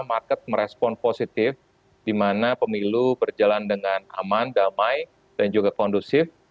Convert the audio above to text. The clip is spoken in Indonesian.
market merespon positif di mana pemilu berjalan dengan aman damai dan juga kondusif